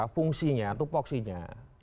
fungsinya atau poksinya